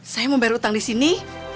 saya mau bayar utang disini